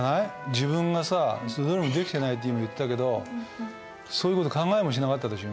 自分がさできてないって今言ったけどそういう事考えもしなかったでしょ？